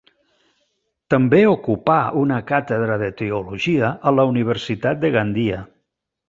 També ocupà una càtedra de teologia a la Universitat de Gandia.